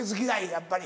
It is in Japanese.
やっぱり。